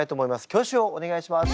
挙手をお願いします。